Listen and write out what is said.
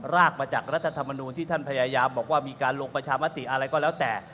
รากมาจากรัฐธรรมนูลที่ท่านพยายามบอกว่ามีการลงประชามติอะไรก็แล้วแต่